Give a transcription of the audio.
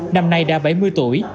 năm nay đã bảy mươi tuổi